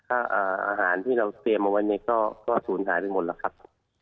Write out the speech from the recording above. อาหารที่เราเตรียมไว้เนี่ยก็สูญหายไปหมดละครับ